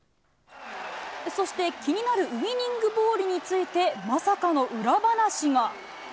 そして気になるウイニングボールについて、まさかの裏話が。